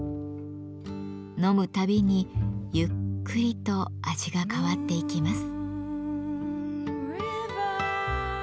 飲むたびにゆっくりと味が変わっていきます。